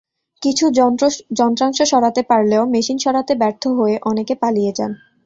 কিছু যন্ত্রাংশ সরাতে পারলেও মেশিন সরাতে ব্যর্থ হয়ে অনেকে পালিয়ে যান।